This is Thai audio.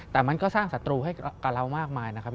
แต่มันก็สร้างศัตรูให้กับเรามากมายนะครับ